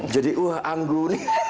jadi wah anggun